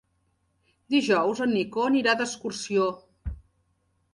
Dijous en Nico anirà d'excursió.